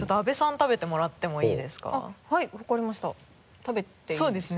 食べていいんですね？